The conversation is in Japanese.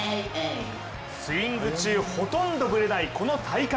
スイング中、ほとんどブレないこの体幹。